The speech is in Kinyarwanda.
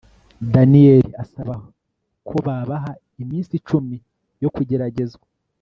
daniyeli asaba ko babaha iminsi icumi yo kugeragezwa